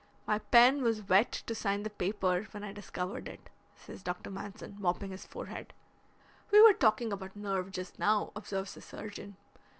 My pen was wet to sign the paper when I discovered it," says Dr. Manson, mopping his forehead. "We were talking about nerve just now," observes the surgeon.